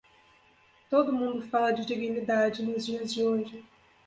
Todo mundo fala de dignidade nos dias de hoje.